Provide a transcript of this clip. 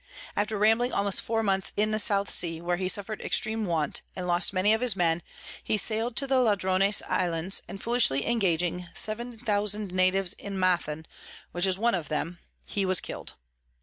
After rambling almost four months in the South Sea, where he suffer'd extreme Want, and lost many of his Men, he sail'd to the Ladrones Islands, and foolishly engaging 7000 Natives in Mathan, which is one of them, he was kill'd.